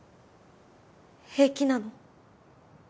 平気なの？